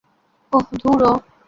ওহ, ধুর!